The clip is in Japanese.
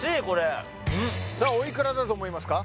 さあおいくらだと思いますか？